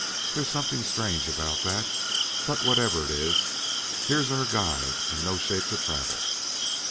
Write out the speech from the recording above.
There's something strange about that, but whatever it is, here's our guide in no shape to travel."